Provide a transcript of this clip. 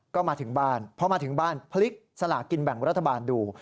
ก็มาถึงบ้านพอมาถึงบ้านพลิกสลากินแบ่งรัฐบาลดู